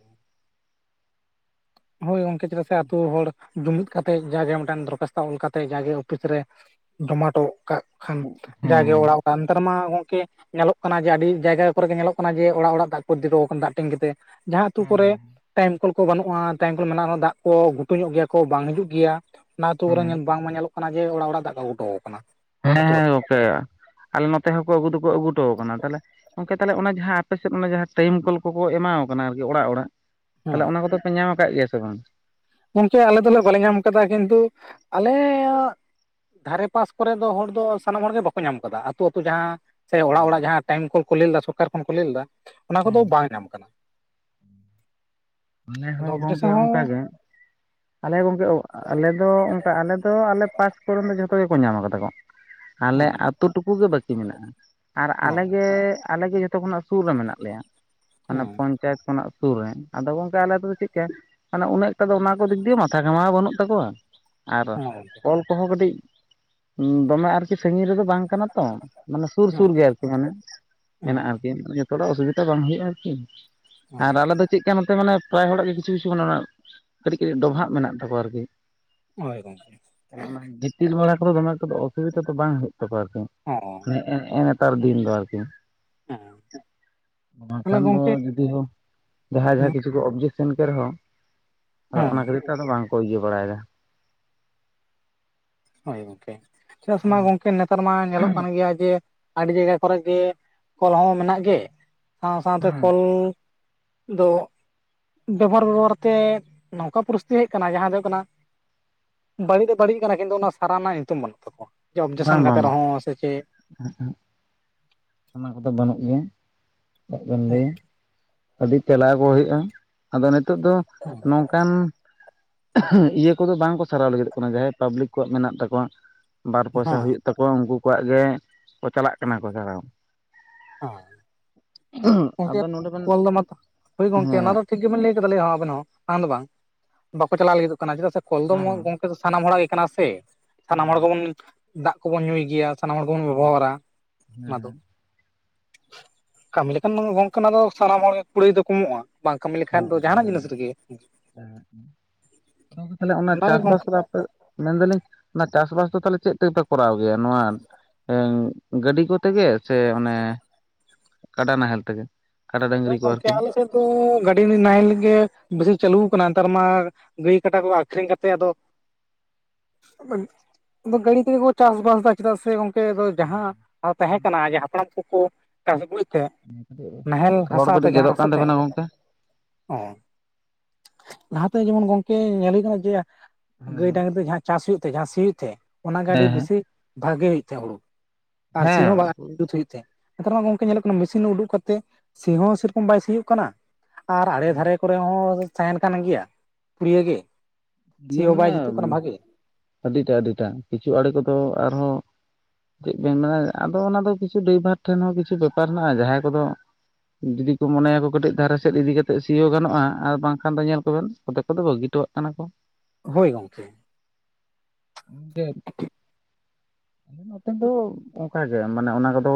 ᱦᱳᱭ ᱜᱚᱢᱠᱮ ᱪᱮᱫᱟᱜ ᱥᱮ ᱟᱛᱩ ᱦᱚᱲ ᱡᱩᱢᱤᱫ ᱠᱟᱛᱮᱜ ᱡᱟᱜᱮ ᱢᱮᱫᱴᱟᱝ ᱫᱚᱨᱠᱟᱷᱟᱥᱛᱚ ᱚᱞ ᱠᱟᱛᱮᱜ ᱡᱟᱜᱮ ᱚᱯᱷᱤᱥ ᱨᱮ ᱡᱚᱢᱟ ᱦᱚᱴᱚ ᱠᱟᱜ ᱠᱷᱟᱱ ᱡᱟᱜᱮ ᱚᱲᱟᱜ-ᱚᱲᱟᱜ ᱱᱮᱛᱟᱨ ᱢᱟ ᱜᱚᱝᱠᱮ ᱧᱮᱞᱚᱜ ᱠᱟᱱᱟ ᱡᱮ ᱟᱹᱰᱤ ᱡᱟᱭᱜᱟ ᱠᱚᱨᱮ ᱜᱮ ᱧᱮᱞᱚᱜ ᱠᱟᱱᱟ ᱡᱮ ᱚᱲᱟᱜ-ᱚᱲᱟᱜ ᱫᱟᱜ ᱠᱚ ᱤᱫᱤ ᱴᱚ ᱠᱟᱱᱟ ᱫᱟᱜ ᱴᱮᱝᱠᱤ ᱛᱮ᱾ ᱡᱟᱦᱟᱸ ᱟᱹᱛᱩ ᱠᱚᱨᱮ ᱴᱟᱭᱤᱢ ᱠᱚᱞ ᱠᱚ ᱵᱟᱹᱱᱩᱜᱼᱟ, ᱴᱟᱭᱤᱢ ᱠᱚᱞ ᱢᱮᱱᱟᱜ ᱨᱮᱦᱚᱸ ᱫᱟᱜ ᱠᱚ ᱜᱷᱩᱴᱩ ᱧᱚᱜ ᱜᱮᱭᱟ ᱠᱚ ᱵᱟᱝ ᱦᱤᱡᱩᱜ ᱜᱮᱭᱟ ᱚᱱᱟ ᱟᱹᱛᱩ ᱠᱚᱨᱮᱱ ᱵᱟᱝᱢᱟ ᱧᱮᱞᱚᱜ ᱠᱚᱱᱟ ᱠᱟᱱᱟ ᱡᱮ ᱚᱲᱟᱜ-ᱚᱲᱟᱜ ᱫᱟᱜ ᱠᱚ ᱟᱹᱜᱩ ᱦᱚᱴᱚ ᱟᱠᱚ ᱠᱟᱱᱟ᱾ ᱟᱹᱛᱩ ᱦᱮᱸ-ᱦᱮᱸ ᱟᱹᱛᱩ᱾ ᱜᱚᱢᱠᱮ ᱟᱞᱮ ᱱᱚᱛᱮ ᱦᱚᱸᱠᱚ ᱟᱹᱜᱩ ᱫᱚᱠᱚ ᱟᱹᱜᱩ ᱦᱚᱴᱚ ᱟᱠᱚ ᱠᱟᱱᱟ ᱛᱟᱦᱚᱞᱮ, ᱜᱚᱝᱠᱮ ᱛᱟᱦᱚᱞᱮ ᱚᱱᱟ ᱡᱟᱦᱟᱸ ᱟᱯᱮᱥᱮᱫ ᱚᱱᱟ ᱡᱟᱦᱟᱸ ᱴᱟᱭᱤᱢ ᱠᱚᱞ ᱠᱚᱠᱚ ᱮᱢᱟᱣ ᱟᱠᱚ ᱠᱟᱱᱟ ᱟᱨᱠᱤ ᱚᱲᱟᱜ-ᱚᱲᱟᱜ ᱛᱟᱦᱚᱞᱮ ᱦᱮᱸ ᱚᱱᱟ ᱠᱚᱫᱚ ᱯᱮ ᱧᱟᱢ ᱟᱠᱟᱫ ᱜᱮᱭᱟ ᱥᱮ ᱵᱟᱝ᱾ ᱜᱚᱢᱠᱮ ᱟᱞᱮ ᱫᱚᱞᱮ ᱵᱟᱞᱮ ᱧᱟᱢ ᱟᱠᱟᱫᱟ ᱠᱤᱱᱛᱩ ᱟᱞᱮᱭᱟᱜ, ᱫᱷᱟᱨᱮ ᱯᱟᱥ ᱠᱚᱨᱮ ᱫᱚ ᱦᱚᱲ ᱫᱚ ᱥᱟᱱᱟᱢ ᱦᱚᱲ ᱜᱮ ᱵᱟᱠᱚ ᱧᱟᱢ ᱠᱟᱫᱟ ᱟᱹᱛᱩ-ᱟᱹᱛᱩ ᱡᱟᱦᱟᱸ ᱥᱮ ᱚᱲᱟᱜ ᱚᱲᱟᱜ ᱡᱟᱦᱟᱸ ᱴᱟᱭᱤᱢ ᱠᱚᱞ ᱠᱚ ᱞᱟᱹᱭ ᱞᱮᱫᱟ ᱥᱚᱨᱠᱟᱨ ᱠᱷᱚᱱ ᱠᱚ ᱞᱟᱹᱭ ᱞᱮᱫᱟ ᱚᱱᱟ ᱠᱚᱫᱚ ᱵᱟᱝ ᱧᱟᱢ ᱟᱠᱟᱱᱟ ᱾ ᱟᱞᱮ ᱦᱚᱸ ᱚᱵᱡᱮᱠᱥᱮᱱ ᱜᱚᱝᱠᱮ ᱚᱱᱠᱟ ᱦᱚᱸ ᱜᱮ ᱾ ᱟᱞᱮ ᱜᱚᱝᱠᱮ ᱟᱞᱮ ᱫᱚ ᱚᱱᱠᱟ ᱟᱞᱮ ᱫᱚ ᱟᱞᱮ ᱯᱟᱥ ᱠᱚᱨᱮᱱ ᱫᱚ ᱡᱷᱚᱛᱚ ᱜᱮᱠᱚ ᱧᱟᱢ ᱠᱟᱫᱟ ᱠᱚ ᱟᱞᱮ ᱦᱮᱸ ᱟᱹᱛᱩ ᱴᱩᱠᱩ ᱜᱮ ᱵᱟᱹᱠᱤ ᱢᱮᱱᱟᱜᱼᱟ ᱟᱨ ᱟᱞᱮ ᱦᱚᱸ ᱜᱮ ᱟᱞᱮ ᱡᱷᱚᱛᱚ ᱠᱷᱚᱱᱟᱜ ᱥᱩᱨ ᱨᱮ ᱢᱮᱱᱟᱜ ᱞᱮᱭᱟ ᱢᱟᱱᱮ ᱦᱮᱸ ᱯᱚᱸᱧᱪᱟᱭᱮᱛ ᱠᱷᱚᱱᱟᱜ ᱥᱩᱨ ᱨᱮ ᱾ ᱟᱫᱚ ᱜᱚᱝᱠᱮ ᱟᱞᱮ ᱟᱹᱛᱩ ᱫᱚ ᱪᱮᱫᱠᱟ ᱢᱟᱱᱮ ᱩᱱᱟᱹᱜ ᱴᱟ ᱫᱚ ᱚᱱᱟ ᱠᱚ ᱫᱤᱠ ᱫᱤᱭᱮ ᱢᱟᱛᱷᱟ ᱜᱷᱟᱢᱟᱣ ᱵᱟᱹᱱᱩᱜ ᱛᱟᱠᱚᱣᱟ ᱾ ᱟᱨ ᱦᱳᱭ ᱜᱚᱝᱠᱮ ᱠᱚᱞ ᱠᱚᱦᱚᱸ ᱠᱟᱹᱴᱤᱡ ᱫᱚᱢᱮ ᱟᱨᱠᱤ ᱥᱟᱺᱜᱤᱧ ᱨᱮᱫᱚ ᱵᱟᱝ ᱠᱟᱱᱟ ᱛᱚ ᱾ ᱢᱟᱱᱮ ᱥᱩᱨ ᱦᱮᱸ ᱥᱩᱨ ᱜᱮ ᱟᱨᱠᱤ ᱢᱟᱱᱮ ᱦᱮᱸ ᱢᱮᱱᱟᱜᱼᱟ ᱟᱨᱠᱤ ᱡᱚᱛᱚ ᱦᱚᱲᱟᱜ ᱚᱥᱩᱵᱤᱫᱷᱟ ᱵᱟᱝ ᱦᱩᱭᱩᱜᱼᱟ ᱟᱨᱠᱤ ᱾ ᱟᱨ ᱦᱮᱸ ᱟᱞᱮ ᱫᱚ ᱪᱮᱫ ᱞᱮᱠᱟ ᱱᱚᱛᱮ ᱢᱟᱱᱮ ᱯᱨᱟᱭ ᱦᱚᱲᱟᱜ ᱜᱮ ᱠᱤᱪᱷᱩ ᱠᱤᱪᱷᱩ ᱢᱟᱱᱮ ᱚᱱ ᱚᱱᱟ ᱠᱟᱹᱴᱤᱡ ᱠᱟᱹᱴᱤᱡ ᱰᱚᱵᱷᱟᱜ ᱢᱮᱱᱟᱜ ᱛᱟᱠᱚᱣᱟ ᱟᱨᱠᱤ ᱾ ᱦᱚᱭ ᱜᱚᱝᱠᱮ ᱾ ᱚᱱᱟ ᱜᱤᱛᱤᱞ ᱵᱟᱲᱟ ᱠᱚᱫᱚ ᱫᱚᱢᱮ ᱠᱚᱫᱚ ᱚᱥᱩᱵᱤᱫᱟ ᱫᱚ ᱵᱟᱝ ᱦᱩᱭᱩᱜ ᱛᱟᱠᱚᱣᱟ ᱟᱨᱠᱤ ᱦᱚᱸ ᱦᱮᱸ ᱮᱸ ᱾ ᱱᱮᱛᱟᱨ ᱫᱤᱱ ᱫᱚ ᱟᱨᱠᱤ ᱦᱮᱸ ᱛᱟᱦᱚᱞᱮ ᱵᱟᱝᱠᱷᱟᱱ ᱫᱚ ᱜᱚᱝᱠᱮ ᱡᱩᱫᱤ ᱦᱚᱸ ᱡᱟᱦᱟᱸᱭ ᱦᱮᱸ ᱡᱟᱦᱟᱸ ᱠᱤᱪᱷᱩ ᱠᱚ ᱚᱵᱽᱡᱮᱠᱥᱮᱱ ᱠᱮᱫ ᱨᱮᱦᱚᱸ ᱟᱫᱚ ᱦᱮᱸ ᱚᱱᱟ ᱠᱷᱟᱹᱛᱤᱨ ᱛᱮ ᱟᱫᱚ ᱵᱟᱝᱠᱚ ᱤᱭᱟᱹ ᱵᱟᱲᱟᱭᱮᱫᱟ ᱾ ᱦᱚᱭ ᱜᱚᱝᱠᱮ ᱪᱮᱫᱟᱜ ᱥᱮ ᱢᱟ ᱜᱚᱝᱠᱮ ᱱᱮᱛᱟᱨ ᱢᱟ ᱧᱮᱞᱚᱜ ᱠᱟᱱ ᱜᱮᱭᱟ ᱡᱮ ᱟᱹᱰᱤ ᱡᱟᱭᱜᱟ ᱠᱚᱨᱮ ᱜᱮ ᱠᱚᱞ ᱦᱚᱸ ᱢᱮᱱᱟᱜ ᱜᱮ ᱥᱟᱶ ᱥᱟᱶᱛᱮ ᱠᱚᱞ ᱫᱚ ᱵᱮᱵᱚᱦᱟᱨ ᱵᱮᱵᱚᱦᱟᱨ ᱛᱮ ᱱᱚᱝᱠᱟ ᱯᱚᱨᱤᱥᱛᱤᱛᱤ ᱦᱮᱡ ᱟᱠᱟᱱᱟ ᱡᱟᱦᱟᱸ ᱫᱚ ᱦᱩᱭᱩᱜ ᱠᱟᱱᱟ ᱵᱟᱹᱲᱤᱡ ᱫᱚ ᱵᱟᱹᱲᱤᱡ ᱠᱟᱱᱟ ᱠᱤᱱᱛᱩ ᱚᱱᱟ ᱥᱟᱨᱟᱣ ᱨᱮᱱᱟᱜ ᱧᱩᱛᱩᱢ ᱵᱟᱹᱱᱩᱜ ᱛᱟᱠᱚᱣᱟ ᱵᱟᱝ ᱚᱵᱽᱡᱮᱠᱥᱮᱱ ᱠᱟᱛᱮ ᱵᱟᱝ ᱵᱟᱝ ᱨᱮᱦᱚᱸ ᱥᱮ ᱪᱮᱫ [unintelligible] ᱚᱱᱟ ᱠᱚᱫᱚ ᱵᱟᱹᱱᱩᱜ ᱜᱤᱭᱟ ᱪᱟ. ᱜ ᱵᱮᱱ ᱦᱮᱸ ᱞᱟᱹᱭᱟ ᱟᱹᱰᱤ ᱪᱟᱞᱟᱣ ᱟᱠᱚ ᱦᱩᱭᱩᱜᱼᱟ ᱾ ᱟᱫᱚ ᱱᱤᱛᱚᱜ ᱫᱚ ᱱᱚᱝᱠᱟᱱ ᱤᱭᱟᱹ ᱠᱚᱫᱚ ᱵᱟᱝ ᱠᱚ ᱥᱟᱨᱟᱣ ᱞᱟᱹᱜᱤᱫᱚᱜ ᱠᱟᱱᱟ ᱡᱟᱦᱟᱸᱭ ᱯᱟᱵᱽᱞᱤᱠ ᱠᱚᱣᱟᱜ ᱢᱮᱱᱟᱜ ᱛᱟᱠᱚᱣᱟ ᱵᱟᱨ ᱯᱚᱭᱥᱟ ᱦᱩᱭᱩᱜ ᱛᱟᱠᱚᱣᱟ ᱩᱱᱠᱩ ᱠᱚᱣᱟᱜ ᱜᱮ ᱠᱚ ᱪᱟᱞᱟᱜ ᱠᱟᱱᱟ ᱠᱚ ᱥᱟᱨᱟᱣ ᱾ ᱦᱚᱸ ᱜᱚᱢᱠᱮ ᱟᱫᱚ ᱱᱚᱰᱮ ᱵᱮᱱ ᱠᱚᱞ ᱫᱚ ᱢᱟᱛᱚ ᱦᱳᱭ ᱜᱚᱝᱠᱮ ᱦᱮᱸ ᱚᱱᱟ ᱫᱚ ᱴᱷᱤᱠ ᱜᱤᱵᱤᱱ ᱞᱟᱹᱭ ᱠᱮᱫᱟ ᱞᱟᱭ ᱦᱚᱸ ᱟᱵᱮᱱ ᱦᱚᱸ ᱵᱟᱝ ᱫᱚ ᱵᱟᱝ ᱵᱟᱠᱚ ᱪᱟᱞᱟᱣ ᱞᱟᱹᱜᱤᱫ ᱠᱟᱱᱟ ᱪᱮᱫᱟᱜ ᱥᱮ ᱠᱚᱞ ᱫᱚ ᱢᱟ ᱜᱚᱝ ᱥᱟᱱᱟᱢ ᱦᱚᱲᱟᱜ ᱜᱮ ᱠᱟᱱᱟ ᱥᱮ ᱥᱟᱱᱟᱢ ᱦᱚᱲ ᱜᱮᱵᱚᱱ ᱫᱟᱜ ᱠᱚᱵᱚᱱ ᱧᱩᱭ ᱜᱮᱭᱟ ᱾ ᱥᱟᱱᱟᱢ ᱦᱚᱲ ᱜᱮᱵᱚᱱ ᱵᱮᱵᱚᱦᱟᱨᱟ ᱚᱱᱟ ᱫᱚ ᱾ ᱠᱟᱹᱢᱤ ᱞᱮᱠᱷᱟᱱ ᱜᱚᱝᱠᱮ ᱚᱱᱟ ᱫᱚ ᱥᱟᱱᱟᱢ ᱦᱚᱲᱜ ᱠᱩᱲᱟᱹᱭ ᱫᱚ ᱠᱚᱢᱚᱜᱼᱟ ᱾ ᱵᱟᱝ ᱠᱟᱹᱢᱤ ᱞᱮᱠᱷᱟᱱ ᱫᱚ ᱡᱟᱦᱟᱸᱱᱟᱜ ᱡᱤᱱᱤᱥ ᱨᱮᱜᱮ ᱦᱮᱸ ᱾ ᱚᱱᱟ ᱫᱚ ᱛᱟᱦᱚᱞᱮ ᱚᱱᱟ ᱚᱱᱟᱜᱮ ᱪᱟᱥ ᱵᱟᱥ ᱜᱚᱝᱠᱮ ᱠᱚᱫᱚ ᱟᱯᱮ ᱢᱮᱱᱫᱟᱞᱤᱧ ᱚᱱᱟ ᱪᱟᱥ ᱵᱟᱥ ᱫᱚ ᱛᱟᱦᱚᱞᱮ ᱪᱮᱫ ᱛᱮᱯᱮ ᱠᱚᱨᱟᱣ ᱜᱮᱭᱟ ᱱᱚᱣᱟ ᱮᱧ ᱜᱟᱹᱰᱤ ᱠᱚ ᱛᱮᱜᱮ ᱥᱮ ᱚᱱᱮ ᱠᱟᱰᱟ ᱱᱟᱦᱮᱞ ᱛᱮᱜᱮ ᱾ ᱦᱳᱭ ᱜᱚᱝᱠᱮ ᱟᱞᱮ ᱥᱮᱫ ᱫᱚ ᱜᱟᱹᱰᱤ ᱱᱟᱦᱮᱞ ᱜᱮ ᱵᱮᱥᱤ ᱪᱟᱹᱞᱩ ᱟᱠᱟᱱᱟ ᱱᱮᱛᱟᱨ ᱢᱟ ᱜᱟᱹᱭ ᱠᱟᱰᱟ ᱠᱚ ᱟᱹᱠᱷᱨᱤᱧ ᱠᱟᱛᱮᱜ ᱟᱫᱚ ᱜᱟᱹᱲᱤ ᱛᱮᱜᱮ ᱠᱚ ᱪᱟᱥ ᱵᱟᱥ ᱮᱫᱟ ᱪᱮᱫᱟᱜ ᱥᱮ ᱜᱚᱝ ᱠᱮ ᱫᱚ ᱡᱟᱦᱟᱸ ᱛᱟᱦᱮᱸ ᱠᱟᱱᱟ ᱡᱮ ᱦᱟᱯᱲᱟᱢ ᱠᱚᱠᱚ ᱪᱟᱥ ᱟᱹᱜᱩᱭ ᱛᱟᱦᱮᱸ ᱨᱚᱲ ᱠᱟᱹᱴᱤᱡ ᱜᱮᱫᱚᱜ ᱠᱟᱱ ᱛᱟᱹᱵᱤᱱᱟ ᱜᱚᱝ ᱚ ᱞᱟᱦᱟᱛᱮ ᱡᱮᱢᱚᱱ ᱜᱚᱝᱠᱮ ᱧᱮᱞ ᱦᱩᱭ ᱠᱟᱱᱟ ᱡᱮ ᱜᱟᱹᱭ ᱰᱟᱺᱝᱨᱤ ᱡᱟᱦᱟᱸ ᱪᱟᱥ ᱦᱩᱭᱩᱜ ᱛᱮ ᱡᱟᱦᱟᱸ ᱥᱤ ᱦᱩᱭᱩᱜ ᱛᱮ ᱚᱱᱟᱜᱮ ᱟᱹᱰᱤ ᱵᱮᱥᱤ ᱵᱷᱟᱜᱮ ᱦᱩᱭᱩᱜ ᱛᱷᱮ ᱦᱳᱲᱳ ᱾ ᱟᱨᱥᱤ ᱦᱚᱸ ᱦᱮᱸ ᱵᱟᱝ ᱡᱩᱛ ᱦᱩᱭᱩᱜ ᱱᱮᱛᱟᱨ ᱢᱟ ᱜᱚᱝᱠᱮ ᱧᱮᱞᱚᱜ ᱠᱟᱱᱟ ᱢᱮᱥᱤᱱ ᱨᱮ ᱩᱰᱩᱠ ᱠᱟᱛᱮᱫ ᱥᱤ ᱦᱚᱸ ᱥᱮᱨᱚᱠᱚᱢ ᱵᱟᱭ ᱥᱤᱭᱳᱜ ᱠᱟᱱᱟ ᱾ ᱟᱨ ᱟᱲᱮ ᱫᱷᱟᱨᱮ ᱠᱚᱨᱮ ᱦᱚᱸ ᱛᱟᱦᱮᱱ ᱠᱟᱱ ᱜᱮᱭᱟ ᱯᱩᱲᱭᱟᱹ ᱜᱮ ᱾ ᱥᱤ ᱫᱤᱭᱮ ᱦᱚᱸ ᱢᱟᱱᱮ ᱵᱟᱭ ᱡᱩᱛᱩᱜ ᱠᱟᱱᱟ ᱵᱷᱟᱹᱜᱤ ᱾ ᱟᱹᱰᱤᱴᱟ ᱟᱹᱰᱤᱴᱟ ᱠᱤᱪᱷᱩ ᱟᱲᱮ ᱠᱚᱫᱚ ᱟᱨᱦᱚᱸ ᱪᱮᱫ ᱵᱮᱧ ᱢᱮᱱᱟ ᱟᱫᱚ ᱚᱱᱟ ᱫᱚ ᱠᱤᱪᱷᱩ ᱰᱟᱭᱵᱷᱟᱨ ᱴᱷᱮᱱ ᱦᱚᱸ ᱡᱩᱪᱷᱩ ᱵᱮᱯᱟᱨ ᱦᱮᱱᱟᱜᱼᱟ ᱡᱟᱦᱟᱸᱭ ᱠᱚ ᱫᱚ ᱡᱩᱫᱤ ᱠᱚ ᱢᱚᱱᱮᱭᱟᱠᱚ ᱠᱟᱹᱴᱤᱡ ᱫᱷᱟᱨᱮ ᱥᱮᱫ ᱤᱫᱤ ᱠᱟᱛᱮᱫ ᱥᱤᱭᱳ ᱜᱟᱱᱚᱜᱼᱟ ᱟᱨ ᱵᱟᱝᱠᱷᱟᱱ ᱫᱚ ᱧᱮᱞ ᱠᱚᱵᱮᱱ ᱠᱚᱛᱮᱠ ᱠᱚ ᱫᱚ ᱵᱟᱹᱜᱤ ᱴᱚᱣᱟᱜ ᱠᱟᱱᱟ ᱠᱚ ᱦᱳᱭ ᱜᱟᱝᱠᱮ [unintelligible] ᱱᱚᱛᱮᱱ ᱫᱚ ᱚᱱᱠᱟᱟᱜᱮ ᱢᱟᱱᱮ ᱚᱱᱟ ᱠᱚᱫᱚ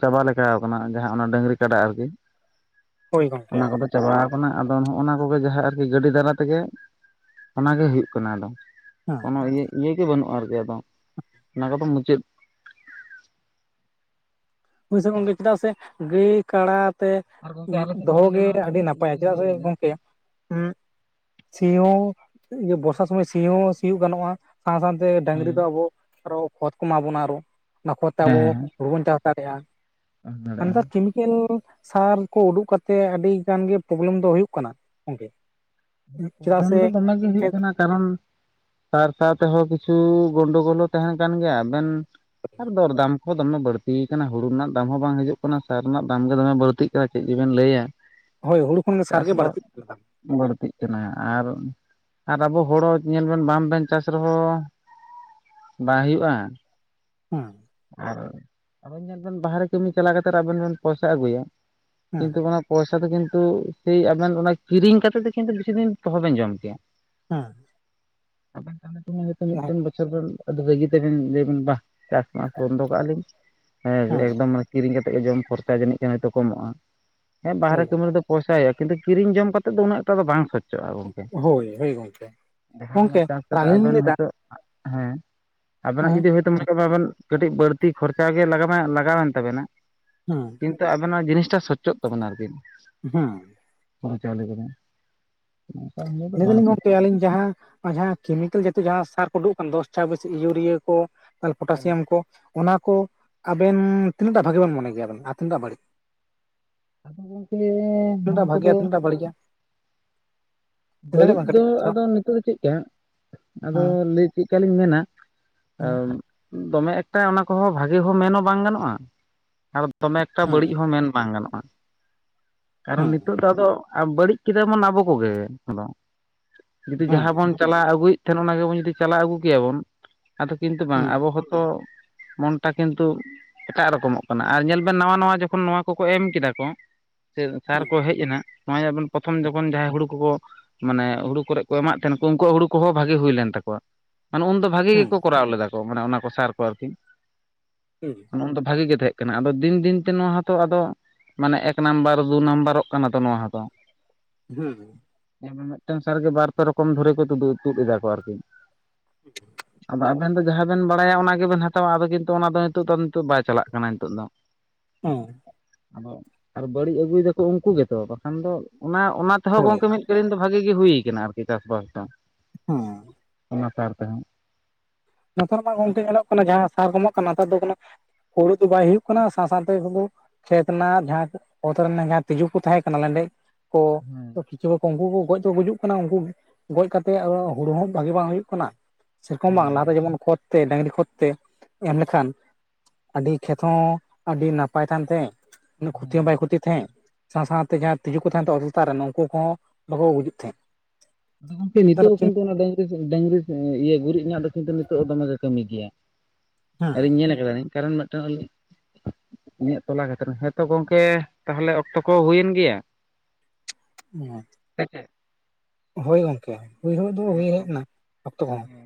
ᱪᱟᱵᱟ ᱞᱮᱠᱟ ᱟᱠᱟᱱᱟ ᱚᱱᱟ ᱰᱟᱹᱝᱨᱤ ᱠᱟᱰᱟ ᱟᱨᱠᱤ᱾ [inaudible] ᱜᱚᱝᱠᱮ ᱚᱱᱟ ᱦᱮᱸ ᱠᱚᱫᱚ ᱪᱟᱵᱣ ᱟᱠᱟᱱᱟ ᱟᱫᱚ ᱱᱚᱜᱼᱚ ᱱᱚᱣᱟ ᱠᱚᱜᱮ ᱡᱟᱦᱟᱸ ᱟᱨᱠᱤ ᱜᱟᱹᱰᱤ ᱫᱟᱨᱟ ᱛᱮᱜᱮ ᱚᱱᱟᱜᱮ ᱦᱩᱭᱩᱜ ᱠᱟᱱᱟ ᱟᱫᱚ ᱠᱚᱱᱚ ᱤᱭᱮ ᱤᱭᱮ ᱜᱮ ᱵᱟᱹᱱᱩᱜᱼᱟ ᱟᱨᱠᱤ ᱟᱫᱚ ᱚᱱᱟ ᱠᱚᱫᱚ ᱢᱩᱪᱟᱹᱫ ᱦᱳᱣ ᱥᱮ ᱜᱚᱝᱠᱮ ᱪᱮᱫᱟᱜ ᱥᱮ ᱜᱟᱹᱭ ᱠᱟᱬᱟ ᱛᱮ ᱫᱚᱦᱚ ᱜᱮ ᱟᱹᱰᱤ ᱱᱟᱯᱟᱭᱟ ᱪᱮᱫᱟᱜ ᱥᱮ ᱜᱚᱝᱠᱮ ᱦᱩᱸ ᱥᱤ ᱦᱚᱸ ᱤᱭᱟᱹ ᱵᱚᱨᱥᱟ ᱥᱩᱚᱢᱚᱭ ᱥᱤ ᱦᱚᱸ ᱥᱤᱭᱳᱜ ᱜᱟᱱᱚᱜᱼᱟ᱾ ᱥᱟᱶ ᱥᱟᱶᱛᱮ ᱰᱥᱝᱨᱤ ᱫᱚ ᱟᱵᱚ ᱟᱨᱚ ᱠᱷᱚᱛ ᱠᱚ ᱮᱢᱟ ᱵᱚᱱᱟ ᱟᱨᱚ ᱚᱱᱟ ᱠᱷᱚᱛ ᱛᱮ ᱟᱵᱚ ᱦᱩᱨᱚ ᱵᱚᱱ ᱪᱟ ᱪᱟᱥᱮᱜᱼᱟ ᱫᱟᱲᱮᱭᱟᱜᱼᱟ [inaudible] ᱠᱮᱞ ᱥᱟᱨ ᱠᱚ ᱩᱰᱩᱠ ᱠᱟᱛᱮᱜ ᱟᱹᱰᱤ ᱜᱟᱱ ᱜᱮ ᱯᱨᱚᱵᱽᱞᱮᱢ ᱫᱚ ᱦᱩᱭᱩᱜ ᱠᱟᱱᱟ ᱜᱚᱝᱠᱮ ᱪᱮᱫᱟᱜ ᱯᱨᱚᱵᱮᱞᱮᱢ ᱥᱮ ᱫᱚ ᱫᱚᱢᱮ ᱜᱮ ᱦᱩᱭᱩᱜ ᱠᱟᱱᱟ ᱠᱟᱨᱚᱱ ᱥᱟᱨ ᱥᱟᱶ ᱛᱮᱦᱚᱸ ᱠᱤᱪᱷᱩ ᱜᱚᱱᱰᱳᱜᱳᱞᱳ ᱛᱟᱦᱮ ᱠᱟᱱ ᱜᱮᱭᱟ ᱟᱵᱮᱱ, ᱟᱨ ᱫᱚᱨ ᱫᱟᱢ ᱠᱚ ᱫᱚᱢᱮ ᱵᱟᱹᱲᱛ ᱟᱠᱟᱱᱟ ᱦᱩᱲᱩ ᱨᱮᱱᱟᱜ ᱫᱟᱢ ᱦᱚᱸ ᱵᱟᱝ ᱦᱤᱡᱩᱜ ᱠᱟᱱᱟ ᱥᱟᱨ ᱨᱮᱱᱟᱜ ᱫᱟᱢ ᱜᱮ ᱫᱚᱢᱮ ᱵᱟᱹᱲᱛᱤᱜ [inaudible] ᱪᱮᱫ ᱜᱮᱵᱮᱱ ᱞᱟᱹᱭᱟ ᱦᱳᱭ ᱦᱩᱲᱩ ᱠᱷᱚᱱ ᱢᱟ ᱥᱟᱨᱜ ᱪᱟᱥ ᱜᱮ ᱵᱟᱥ ᱵᱟᱹᱲᱛᱤᱜ [inaudible] ᱵᱟᱹᱲᱛᱤᱜ ᱠᱟᱱᱟ ᱟᱨ ᱟᱨ ᱟᱵᱚ ᱦᱚᱲ ᱦᱚ ᱧᱮᱞ ᱵᱮᱱ ᱵᱟ ᱵᱮᱱ ᱪᱟᱥ ᱨᱮᱦᱚᱸ ᱵᱟᱭ ᱦᱩᱭᱩᱜᱼᱟ᱾ ᱦᱩᱸ ᱟᱨ ᱟᱵᱮᱱ ᱧᱮᱞ ᱵᱮᱱ ᱵᱟᱦᱨᱮ ᱠᱟᱹᱢᱤ ᱪᱟᱞᱟᱣ ᱠᱟᱛᱮ ᱟᱵᱮᱱ ᱵᱮᱱ ᱯᱚᱭᱥᱟ ᱟᱹᱜᱩᱭᱟ ᱦᱮᱸ ᱠᱤᱱᱛᱩ ᱚᱱᱟ ᱯᱚᱭᱥᱟ ᱫᱚ ᱠᱤᱱᱛᱩ ᱥᱮᱭ ᱟᱵᱮᱱ ᱟᱱᱟ ᱠᱤᱨᱤᱧ ᱠᱟᱛᱮ ᱫᱚ ᱠᱤᱱᱛᱩ ᱵᱮᱥᱤ ᱚᱦᱚ ᱵᱮᱱ ᱡᱚᱢ ᱠᱮᱭᱟ᱾ ᱦᱮᱸ [inaudible] ᱢᱤᱫᱴᱮᱱ ᱵᱚᱪᱷᱚᱨ ᱟᱹᱰᱤ ᱨᱟᱹᱜᱤ ᱛᱮᱵᱮᱱ ᱞᱟᱹᱭᱟᱵᱱ ᱵᱟ ᱵᱚᱱᱫᱚ ᱠᱟᱜ ᱟᱞᱤᱧ ᱦᱮᱸ ᱮᱠᱫᱚᱢ ᱢᱟᱱ ᱠᱤᱨᱤᱧ ᱠᱟᱛᱮᱜ ᱜᱮ ᱡᱚᱢ ᱠᱷᱚᱨᱪᱟ ᱡᱟᱹᱱᱤᱡ ᱠᱷᱟᱱ ᱦᱚᱭᱛᱳ ᱠᱚᱢᱚᱜᱼᱟ᱾ ᱦᱮᱸ ᱵᱟᱦᱨᱮ ᱦᱳᱭ ᱠᱟᱹᱢᱤ ᱨᱮ ᱫᱚ ᱯᱚᱭᱥᱟ ᱦᱩᱭᱩᱜᱼᱟ ᱠᱤᱱᱛᱩ ᱠᱤᱨᱤᱧ ᱡᱚᱢ ᱠᱟᱛᱮ ᱫᱚ ᱩᱹᱱᱮᱠ ᱴᱟ ᱫᱚ ᱵᱟᱝ ᱥᱚᱪ ᱪᱚᱜ-ᱟ ᱜᱚᱝᱠᱮ ᱦᱳᱭ ᱦᱳᱭ ᱜᱚᱝᱠᱮ ᱡᱟᱦᱟᱸ ᱚᱱᱟ ᱜᱚᱝᱠᱮ ᱪᱟᱥ ᱟᱨ ᱠᱟᱛᱮ ᱟᱹᱞᱤᱧ ᱞᱤᱧ ᱟᱵᱮᱱ ᱞᱟᱹᱭᱫᱟ ᱦᱚᱭᱛᱳ ᱦᱮᱸ ᱟᱵᱮᱱᱟᱜ ᱦᱮᱸ ᱡᱩᱫᱤ ᱦᱭᱛᱳ ᱢᱚᱱᱮ ᱠᱟᱜ ᱵᱮᱱ ᱠᱟᱹᱴᱤᱡ ᱵᱟᱹᱲᱛᱤ ᱠᱷᱚᱨᱪᱟ ᱜᱮ ᱞᱟᱜᱟᱣ ᱞᱟᱜᱟᱣᱮᱱ ᱛᱟᱵᱮᱱᱟ ᱦᱮᱸ ᱠᱤᱱᱛᱩ ᱟᱵᱮᱱ ᱱᱚᱣᱟ ᱡᱤᱱᱤᱥ ᱴᱟ ᱥᱚᱪᱪᱚᱜ ᱛᱟᱵᱮᱱᱟ ᱟᱨ ᱠᱤ᱾ ᱦᱮᱸ ᱦᱚᱨᱩ ᱪᱟᱣᱞᱮ ᱠᱚᱨᱮ᱾ ᱞᱟᱹᱭ ᱫᱚᱞᱤᱧ ᱜᱚᱝᱠᱮ ᱠᱟᱜ ᱟᱹᱞᱤᱧ ᱡᱟᱦᱟᱸ ᱟᱨ ᱡᱟᱦᱟᱸ ᱠᱮᱢᱤᱠᱮᱞ ᱡᱟᱛᱮ ᱡᱟᱦᱟ ᱥᱟᱨ ᱠᱚ ᱩᱰᱩᱠ ᱠᱟᱱ ᱫᱚᱥ ᱪᱟᱵᱤᱥᱤ ᱤᱭᱩᱨᱤᱭᱟ ᱠᱚ ᱠᱟᱱᱟ ᱯᱚᱴᱟᱥᱤᱭᱟᱢ ᱠᱚ ᱚᱱᱟ ᱠᱚ ᱟᱵᱮᱱ ᱛᱤᱱᱟᱹᱜ ᱴᱟᱜ ᱵᱷᱟᱜᱤᱵᱱ ᱢᱚᱱᱮ ᱜᱮᱭᱟ ᱵᱮᱱ ᱟᱨ ᱛᱤᱱᱟᱹᱜ ᱴᱟᱜ ᱵᱟᱹᱲᱤᱡ? ᱟᱫᱚ ᱜᱚᱝᱠᱮ ᱛᱤᱱᱟᱹᱜ ᱴᱟ ᱱᱚᱣᱟ ᱠᱚᱫᱚ ᱵᱷᱟᱜᱮᱭᱟ ᱛᱤᱱᱟᱹᱜ ᱴᱟ ᱵᱟᱹᱲᱤᱡᱼᱟ ᱞᱟᱹᱭ ᱫᱟᱲᱮᱭᱟᱜ ᱵᱟᱹᱲᱤᱡ ᱵᱮᱱ ᱫᱚ ᱠᱟᱹᱴᱤᱡ ᱛᱷᱚᱲᱟ ᱟᱫᱚ ᱱᱤᱛᱚᱜ ᱫᱚ ᱪᱮᱫᱠᱟ ᱟᱫᱚ ᱦᱮᱸ ᱞᱮᱹᱭ ᱪᱮᱫ ᱠᱟᱞᱤᱧ ᱢᱮᱱᱟ ᱦᱮᱸ ᱫᱚᱢᱮ ᱮᱠᱴᱟ ᱚᱱᱟ ᱠᱚᱦᱚᱸ ᱵᱷᱟᱜᱮ ᱦᱚᱸ ᱢᱮᱱ ᱦᱚᱸ ᱵᱟᱝ ᱜᱟᱱᱚᱜᱼᱟ ᱟᱨ ᱫᱚᱢᱮ ᱮᱠᱴᱟ ᱦᱮᱸ ᱵᱟᱹᱲᱤᱡ ᱦᱚᱸ ᱢᱮᱱ ᱵᱟᱝ ᱜᱟᱱᱚᱜᱼᱟ᱾ ᱠᱟᱨᱚᱱ ᱦᱮᱸ ᱱᱤᱛᱚᱜ ᱫᱚ ᱟᱫᱚ ᱵᱟᱹᱲᱤᱡ ᱠᱮᱫᱟᱵᱚᱱ ᱟᱵᱚ ᱠᱚᱜᱮ ᱡᱩᱫᱤ ᱦᱮᱸ ᱡᱟᱦᱟᱸ ᱵᱚᱱ ᱪᱟᱞᱟᱣ ᱟᱹᱜᱩᱭᱮᱫ ᱛᱟᱦᱮᱱ ᱚᱱᱟ ᱜᱮᱵᱚᱱ ᱡᱩᱫᱤ ᱪᱟᱞᱟᱣ ᱟᱹᱜᱩ ᱠᱮᱭᱟᱵᱚᱱ ᱟᱫᱚ ᱠᱤᱱᱛᱩ ᱵᱟᱝ ᱦᱮᱸ ᱟᱵᱚ ᱦᱚᱸᱛᱚ, ᱢᱚᱱᱴᱟ ᱠᱤᱱᱛᱩ ᱮᱴᱟᱜ ᱨᱚᱠᱚᱢᱚᱜ ᱠᱟᱱᱟ ᱟᱨ ᱧᱮᱞ ᱵᱮᱱ ᱱᱟᱣᱟ ᱱᱟᱣᱟ ᱡᱚᱠᱷᱚᱱ ᱱᱚᱣᱟ ᱠᱚᱠᱚ ᱮᱢ ᱠᱮᱫᱟ ᱠᱚ ᱥᱮ ᱥᱟᱨ ᱦᱮᱸ ᱠᱚ ᱦᱮᱡ ᱮᱱᱟ ᱱᱚᱜᱼᱚᱭ [unintelligible] ᱯᱨᱚᱛᱷᱚᱢ ᱡᱚᱠᱷᱚᱱ ᱡᱟᱦᱟᱸᱭ ᱦᱩᱲᱩ ᱠᱚᱠᱚ ᱢᱟᱱᱮ ᱦᱩᱲᱩ ᱠᱚᱨᱮ ᱠᱚ ᱮᱢᱟᱜ ᱛᱟᱦᱮᱱ ᱠᱚ ᱩᱱᱠᱩᱣᱟᱜ ᱦᱩᱲᱩ ᱠᱚᱦᱚᱸ ᱵᱷᱟᱜᱮ ᱦᱩᱭ ᱞᱮᱱ ᱛᱟᱠᱚᱣᱟ, ᱢᱟᱱᱮ ᱩᱱᱫᱚ ᱵᱷᱟᱜᱤ ᱦᱮᱸ ᱜᱮᱠᱚ ᱠᱚᱨᱟᱣ ᱞᱮᱫᱟ ᱠᱚ ᱢᱟᱱᱮ ᱚᱱᱟ ᱠᱚ ᱥᱟᱨ ᱠᱚ ᱟᱨᱠᱤ ᱦᱮᱸ ᱫᱚ ᱵᱷᱟᱜᱤ ᱜᱮ ᱛᱟᱦᱮᱸ ᱠᱟᱱᱟ ᱟᱫᱚ ᱫᱤᱱ ᱫᱤᱱ ᱛᱮ ᱱᱚᱣᱟ ᱦᱚᱛᱚ ᱟᱫᱚ ᱢᱟᱱᱮ ᱮᱠ ᱱᱟᱢᱵᱟᱨ ᱫᱩ ᱱᱟᱢᱵᱟᱨᱚᱜ ᱠᱟᱱᱟ ᱛᱚ ᱱᱚᱣᱟ ᱦᱚᱸᱛᱚ ᱾ ᱦᱩᱸ ᱦᱩᱸ ᱦᱮᱸ ᱢᱤᱫᱴᱟᱝ ᱥᱟᱨᱜᱮ ᱵᱟᱨ ᱯᱮ ᱨᱚᱠᱚᱢ ᱫᱷᱚᱨᱮ ᱠᱚ ᱛᱩᱫ ᱮᱫᱟ ᱠᱚ ᱟᱨᱠᱤ ᱾ [unintelligible] ᱟᱫᱚ ᱟᱵᱮᱱ ᱫᱚ ᱡᱟᱦᱟᱸ ᱵᱮᱱ ᱵᱟᱲᱟᱭᱟ ᱚᱱᱟ ᱜᱮᱵᱮᱱ ᱦᱟᱛᱟᱣᱟ ᱟᱫᱚ ᱠᱤᱱᱛᱩ ᱚᱱᱟ ᱫᱚ ᱱᱤᱛᱚᱜ ᱫᱚ ᱱᱤᱛᱚᱜ ᱵᱟᱭ ᱪᱟᱞᱟᱜ ᱠᱟᱱᱟ ᱱᱤᱛᱚᱜ ᱫᱚ ᱾ ᱦᱮᱸ ᱟᱫᱚ ᱟᱨ ᱵᱟᱹᱲᱤᱡ ᱟᱹᱜᱩᱭ ᱫᱟᱠᱚ ᱩᱱᱠᱩ ᱜᱮᱛᱚ ᱵᱟᱠᱷᱟᱱ ᱫᱚ ᱚᱱᱟ ᱚᱱᱟ ᱛᱮᱦᱚᱸ ᱦᱳᱭ ᱜᱚᱝᱠᱮ ᱢᱤᱫ ᱮᱞᱤᱱ ᱫᱚ ᱵᱷᱟᱜᱤ ᱜᱮ ᱦᱩᱭ ᱠᱟᱱᱟ ᱟᱨᱠᱤ ᱪᱟᱥᱵᱟᱥ ᱫᱚ ᱾ ᱦᱮᱸ ᱚᱱᱟ ᱥᱟᱨ ᱛᱮ ᱦᱚᱸ᱾ ᱱᱮᱛᱟᱨ ᱢᱟ ᱜᱚᱝᱠᱮ ᱧᱮᱞᱚᱜ ᱠᱟᱱᱟ ᱡᱟᱦᱟᱸ ᱥᱟᱨ ᱠᱚ ᱮᱢᱚᱜ ᱠᱟᱱᱟ ᱱᱮᱛᱟᱨ ᱫᱚ ᱦᱩᱲᱩ ᱫᱚ ᱵᱟᱭ ᱦᱩᱭᱩᱜ ᱠᱟᱱᱟ ᱥᱟᱶ ᱥᱟᱶᱛᱮ ᱦᱩᱲᱩ ᱠᱷᱮᱛ ᱨᱮᱱᱟᱜ ᱡᱟᱦᱟᱸ ᱚᱛ ᱨᱮᱱᱟᱜ ᱡᱟᱦᱟᱸ ᱛᱸᱤᱡᱩ ᱠᱚ ᱛᱟᱦᱮᱸ ᱞᱮᱸᱰᱮᱡ ᱠᱚ ᱪᱤ ᱠᱚ ᱩᱱᱠᱩ ᱠᱚ ᱜᱚᱡ ᱠᱚ ᱜᱩᱡᱩᱜ ᱠᱟᱱᱟ ᱩᱱᱠᱩ ᱜᱚᱡ ᱠᱟᱛᱮᱫ ᱟᱫᱚ ᱦᱩᱲᱩ ᱦᱚᱸ ᱵᱷᱟᱜᱤ ᱵᱟᱝ ᱦᱩᱭᱩᱜ ᱠᱟᱱᱟ ᱾ ᱥᱮᱨᱚᱠᱚᱢ ᱵᱟᱝ ᱞᱟᱦᱟᱛᱮ ᱡᱮᱢᱚᱱ ᱠᱷᱚᱛ ᱛᱮ ᱰᱟᱹᱝᱨᱤ ᱠᱷᱚᱛ ᱛᱮ ᱮᱢ ᱞᱮᱠᱷᱟᱱ ᱟᱹᱰᱤ ᱠᱷᱮᱛ ᱦᱚᱸ ᱟᱹᱰᱤ ᱱᱟᱯᱟᱭ ᱠᱟᱱᱛᱮ ᱩᱱᱟᱹᱜ ᱠᱷᱚᱛᱤ ᱦᱚᱸ ᱵᱟᱭ ᱠᱷᱚᱛᱤ ᱛᱟᱦᱮᱸᱜ ᱥᱟᱶ ᱥᱟᱶᱛᱮ ᱡᱟᱦᱟᱸᱭ ᱛᱤᱡᱩ ᱠᱚ ᱛᱟᱦᱮᱸᱱ ᱫᱚ ᱚᱛ ᱞᱟᱛᱟᱨ ᱨᱮ ᱩᱱᱠᱩ ᱩᱱᱠᱩ ᱠᱚᱦᱚᱸ ᱵᱟᱠᱚ ᱜᱩᱡᱩᱜ ᱛᱟᱦᱮᱸᱜ ᱾ ᱟᱫᱚ ᱜᱚᱝᱠᱮ ᱱᱤᱛᱚᱜ ᱦᱚᱸ ᱠᱤᱱᱛᱩ ᱰᱟᱹᱝᱨᱤ ᱰᱟᱹᱝᱨᱤ ᱠᱚ ᱤᱭᱟᱹ ᱜᱩᱨᱤᱡ ᱨᱮᱱᱟᱜ ᱫᱚ ᱠᱤᱱᱛᱩ ᱱᱤᱛᱚᱜ ᱫᱚᱢᱮ ᱜᱮ ᱠᱟᱹᱢᱤ ᱠᱮᱭᱟ᱾ ᱟᱨᱤᱧ ᱦᱮᱸ ᱧᱮᱞ ᱠᱟᱫᱟᱞᱤᱧ ᱠᱟᱨᱚᱱ ᱢᱤᱫᱴᱟᱝ ᱤᱧᱟᱹᱜ ᱛᱚᱞᱟ ᱠᱷᱟᱛᱤᱨ ᱦᱮᱸᱛᱚ ᱜᱚᱝᱠᱮ ᱛᱟᱦᱚᱞᱮ ᱚᱠᱛᱚ ᱠᱚ ᱦᱩᱭᱮᱱ ᱜᱮᱭᱟ ᱾ ᱦᱮᱸ [unintelligible] ᱦᱳᱭ ᱜᱚᱝᱠᱮ ᱦᱩᱭ ᱦᱚ ᱫᱚ ᱦᱩᱭ ᱦᱮᱡ ᱮᱱᱟ ᱚᱠᱛᱚ ᱠᱚᱦᱚᱸ ᱾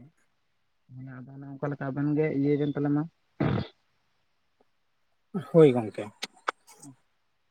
ᱚᱱᱮ ᱟᱫᱚ ᱚᱱᱮᱠᱟ ᱞᱮᱠᱟ ᱟᱵᱮᱱ ᱜᱮ ᱤᱭᱟᱹ ᱵᱮᱱ ᱛᱟᱦᱞᱮ ᱢᱟ ᱾ ᱦᱳᱭ ᱜᱚᱝᱠᱮ᱾ [unintelligible]